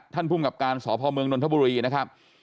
ท่านภูมิกับการสอบภาวเมืองนทบุรีนะครับ